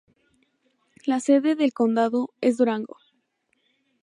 La sede del condado es Durango.